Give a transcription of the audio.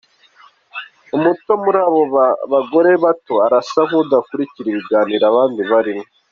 Umuto muri abo bagore arasa nk’udakurikira ibiganiro abandi barimo.